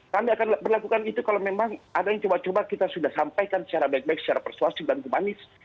kami akan berlakukan itu kalau memang ada yang coba coba kita sudah sampaikan secara baik baik secara persuasif dan humanis